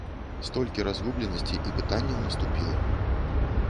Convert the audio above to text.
Столькі разгубленасці і пытанняў наступіла!